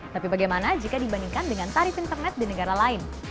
tapi bagaimana jika dibandingkan dengan tarif internet di negara lain